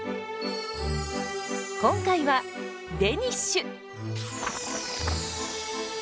今回はデニッシュ！